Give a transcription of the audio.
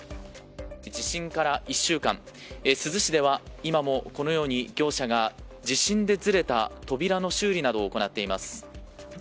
地震から１週間珠洲市では今もこのように業者が地震でずれた扉の修理などを行っています。